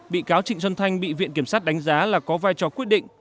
bị cáo trịnh xuân thanh bị viện kiểm sát đánh giá là có vai trò quyết định